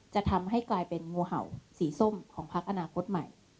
จะทำให้กลายเป็นงูเห่าสีส้มของพักอนาคตใหม่